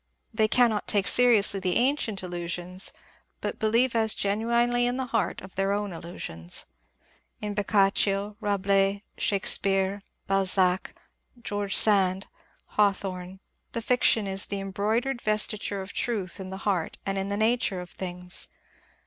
They cannot take seri ously the ancient illusions, but believe as genuinely in the heart of their own illusions. In Boccaccio, Rabelais, Shakespeare, Balzac, George Sand, Hawthorne, the fiction is the embroidered vesture of truth in the heart and in the nature of things.